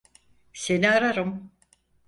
Seni ararım.